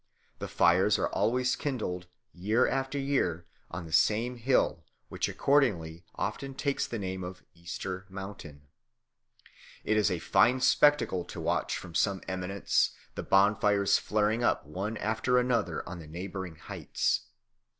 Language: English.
The fires are always kindled, year after year, on the same hill, which accordingly often takes the name of Easter Mountain. It is a fine spectacle to watch from some eminence the bonfires flaring up one after another on the neighbouring heights.